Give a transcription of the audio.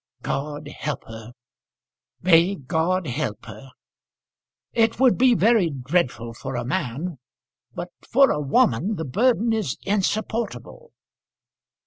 "God help her; may God help her! It would be very dreadful for a man, but for a woman the burden is insupportable."